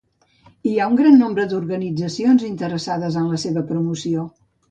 Hi ha un gran nombre d’organitzacions interessades en la seva promoció.